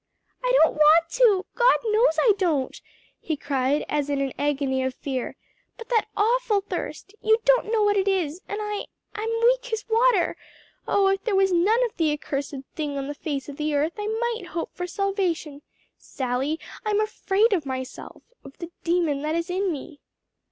"I don't want to! God knows I don't!" he cried as in an agony of fear, "but that awful thirst you don't know what it is! and I I'm weak as water. Oh if there was none of the accursed thing on the face of the earth, I might hope for salvation! Sally, I'm afraid of myself, of the demon that is in me!"